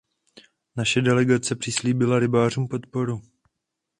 Naše delegace přislíbila rybářům podporu.